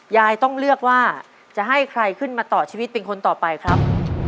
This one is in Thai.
ยายต้องเลือกว่าจะให้ใครขึ้นมาต่อชีวิตเป็นคนต่อไปครับ